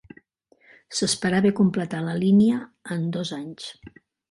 S'esperava completar la línia en dos anys.